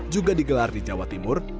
juga digelar di jawa timur